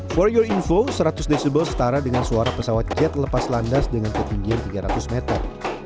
for your info seratus decibel setara dengan suara pesawat jet lepas landas dengan ketinggian tiga ratus meter